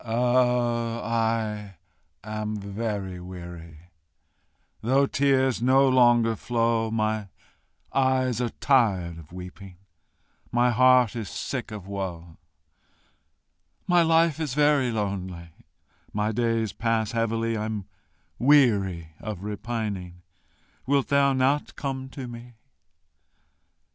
Oh, I am very weary, Though tears no longer flow; My eyes are tired of weeping, My heart is sick of woe; My life is very lonely My days pass heavily, I'm weary of repining; Wilt thou not come to me?